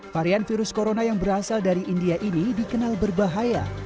varian virus corona yang berasal dari india ini dikenal berbahaya